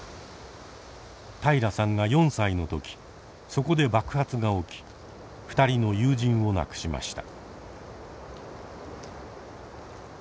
平良さんが４歳の時そこで爆発が起き２人の友人を亡くしました。